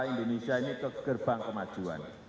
indonesia ini ke gerbang kemajuan